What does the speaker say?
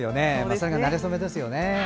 それが、なれそめですよね。